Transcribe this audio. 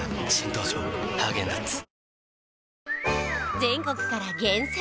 全国から厳選！